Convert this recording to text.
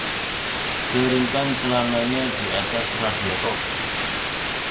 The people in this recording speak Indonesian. Keringkan celananya di atas radiator.